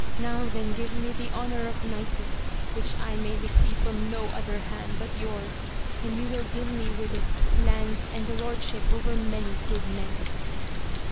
Now then give me the honour of knighthood, which I may receive from no other hand but yours ! and you will give me with' it lands and the lordship over many good men.